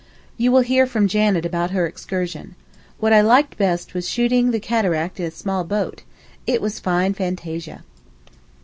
You will hear from Janet about her excursion. What I liked best was shooting the Cataract in a small boat; it was fine fantasia.